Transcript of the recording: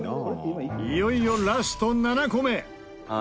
いよいよラスト７個目。